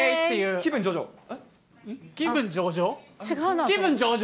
気分上々。